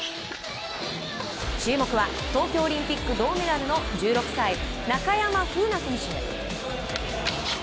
注目は東京オリンピック銅メダルの１６歳、中山楓奈選手。